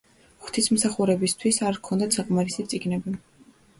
ღვთისმსახურებისთვის არ ჰქონდათ საკმარისი წიგნები.